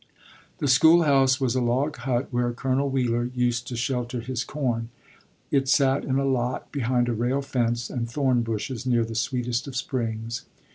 The schoolhouse was a log hut, where Colonel Wheeler used to shelter his corn. It sat in a lot behind a rail fence and thorn bushes, near the sweetest of springs.